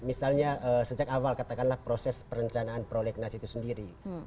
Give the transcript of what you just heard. misalnya sejak awal katakanlah proses perencanaan prolegnas itu sendiri